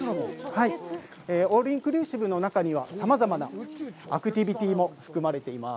オールインクルーシブの中にはさまざまなアクティビティも含まれています。